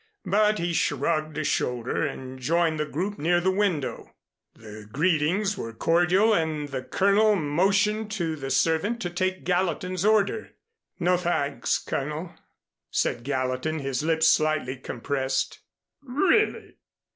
But he shrugged a shoulder and joined the group near the window. The greetings were cordial and the Colonel motioned to the servant to take Gallatin's order. "No, thanks, Colonel," said Gallatin, his lips slightly compressed. "Really!